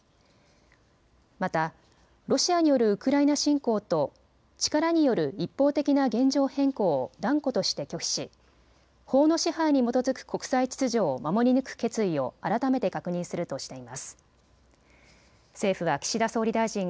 またロシアによるウクライナ侵攻と力による一方的な現状変更を断固として拒否し法の支配に基づく国際秩序を守り抜く決意を改めて確認するとしています。